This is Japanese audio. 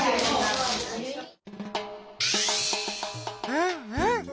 うんうん。